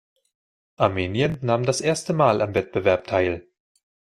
Armenien nahm das erste Mal am Wettbewerb teil.